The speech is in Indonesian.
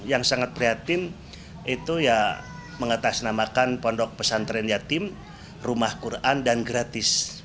yang sangat prihatin itu ya mengatasnamakan pondok pesantren yatim rumah quran dan gratis